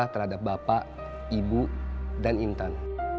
terhadap bapak ibu dan intan